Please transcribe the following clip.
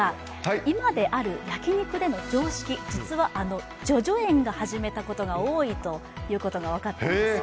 今である焼き肉の常識、実は叙々苑が始めたことが多いということが分かったんです。